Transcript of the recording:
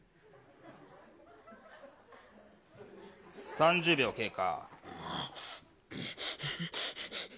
３０秒経過。